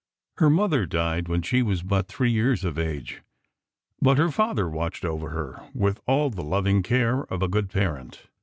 Her mother died when she was but three years of age, but her father watched over her with all the loving care of a good parent.